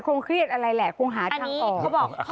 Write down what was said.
คงเครียดอะไรแหละคงหาทางออก